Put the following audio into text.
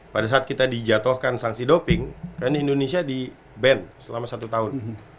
pada saat kita dijatuhkan sanksi doping kan indonesia di ban selama satu tahun